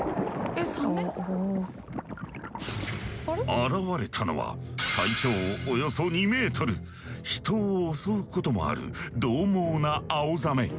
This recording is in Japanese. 現れたのは体長およそ２メートル人を襲うこともあるどう猛なアオザメ。